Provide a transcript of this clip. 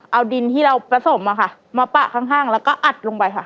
เอาดินที่เราผสมมาปะข้างแล้วก็อัดลงไปค่ะ